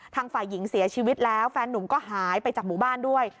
ฝ่ายหญิงเสียชีวิตแล้วแฟนนุ่มก็หายไปจากหมู่บ้านด้วย